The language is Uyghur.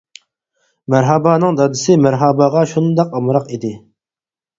مەرھابانىڭ دادىسى مەرھاباغا شۇنداق ئامراق ئىدى.